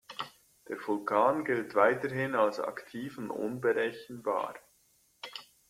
Der Vulkan gilt weiterhin als aktiv und unberechenbar.